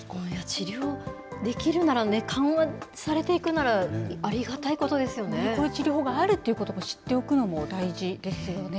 治療できるなら、緩和されていくなら、こういう治療があるということを知っておくのも大事ですよね。